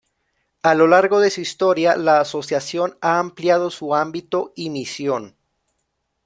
A lo largo de su historia la Asociación ha ampliado su ámbito y misión.